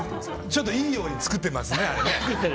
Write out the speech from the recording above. ちょっといいように作ってますね。